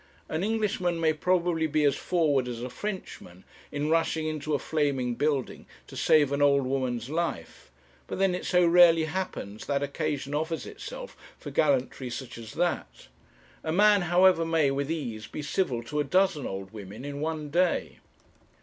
An Englishman may probably be as forward as a Frenchman in rushing into a flaming building to save an old woman's life; but then it so rarely happens that occasion offers itself for gallantry such as that. A man, however, may with ease be civil to a dozen old women in one day.